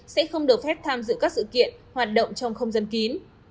sẽ không được phép tham dự các sự kiện hoạt động trong không gian kín